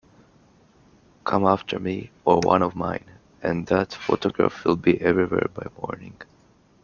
Come after me or one of mine, and that photograph will be everywhere by morning.